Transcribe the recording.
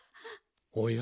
おや？